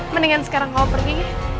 mendingan sekarang kamu pergi